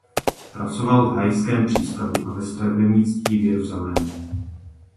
Pracoval v Haifském přístavu a ve stavebnictví v Jeruzalému.